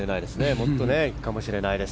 もっといくかもしれないです。